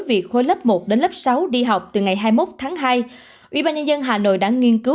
việc khối lớp một đến lớp sáu đi học từ ngày hai mươi một tháng hai ubnd hà nội đã nghiên cứu